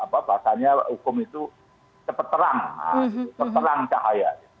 bahasanya hukum itu cepat terang cepat terang cahaya